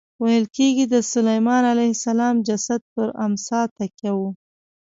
ویل کېږي د سلیمان علیه السلام جسد پر امسا تکیه و.